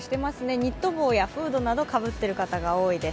ニット帽やフードなどをかぶっている方が多いです。